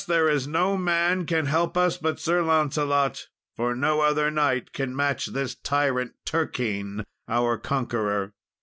there is no man can help us but Sir Lancelot, for no other knight can match this tyrant Turquine, our conqueror."